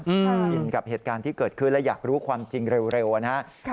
ชินกับเหตุการณ์ที่เกิดขึ้นและอยากรู้ความจริงเร็วนะครับ